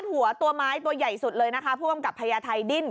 หัวตัวไม้ตัวใหญ่สุดเลยนะคะผู้กำกับพญาไทยดิ้น